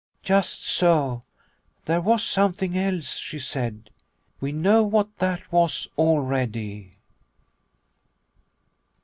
" Just so, there was something else," she said. " We know what that was already."